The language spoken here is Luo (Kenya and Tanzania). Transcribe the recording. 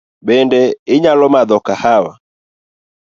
Bende inyalo madho kahawa?